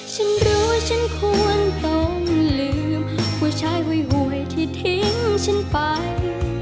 ฉันรู้ว่าฉันควรต้องลืมผู้ชายหวยที่ทิ้งฉันไป